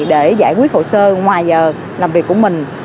để giải quyết hồ sơ ngoài giờ làm việc của mình